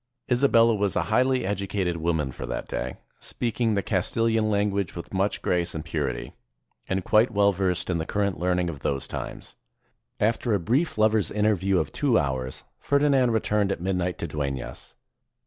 Isabella was a highly educated woman for that day, speaking the Castilian language with much grace and purity, and quite well versed in the current learning of those times. After a brief lover's interview of two hours, Ferdinand returned at midnight to Deunas.